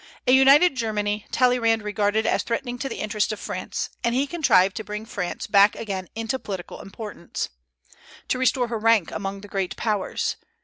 A united Germany Talleyrand regarded as threatening to the interests of France; and he contrived to bring France back again into political importance, to restore her rank among the great Powers.